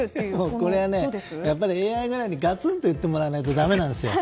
これはＡＩくらいがつんと言ってもらわないとだめなんですよ。